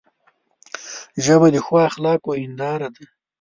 ژبه د ښو اخلاقو هنداره ده